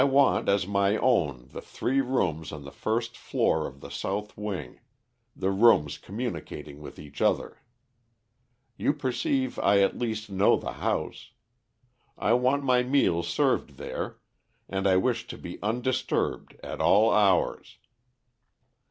I want as my own the three rooms on the first floor of the south wing the rooms communicating with each other. You perceive I at least know the house. I want my meals served there, and I wish to be undisturbed at all hours.